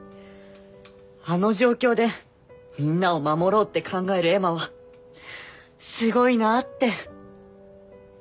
あの状況でみんなを守ろうって考えるエマはすごいなぁって。